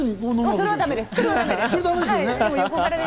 それはだめですよね。